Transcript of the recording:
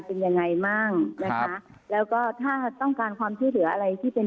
เป็นยังไงบ้างนะคะแล้วก็ถ้าต้องการความช่วยเหลืออะไรที่เป็น